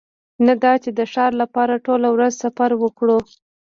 نه دا چې د ښار لپاره ټوله ورځ سفر وکړو